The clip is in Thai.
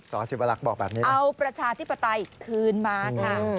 สิวรักษ์บอกแบบนี้เอาประชาธิปไตยคืนมาค่ะ